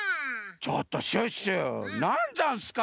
ちょっとシュッシュなんざんすか？